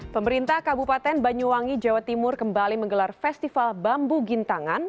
pemerintah kabupaten banyuwangi jawa timur kembali menggelar festival bambu gintangan